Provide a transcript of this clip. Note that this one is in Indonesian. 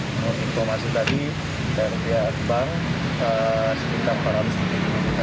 menurut informasi tadi dari pihak bank sehingga rp empat ratus juta